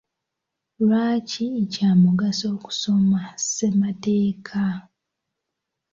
Lwaki kya mugaso okusoma ssemateeka?